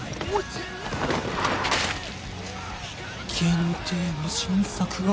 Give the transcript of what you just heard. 限定の新作が。